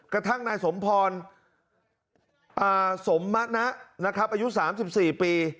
กระทั่งนายสมพรอ่าสมมนะนะครับอายุสามสิบสี่ปี